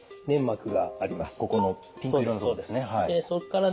ここのピンク色の所ですね。